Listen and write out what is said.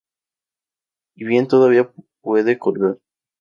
Y bien todavía puede colgar.